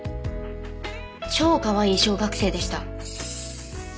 超かわいい小学生でした。